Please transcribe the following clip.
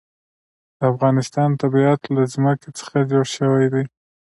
د افغانستان طبیعت له ځمکه څخه جوړ شوی دی.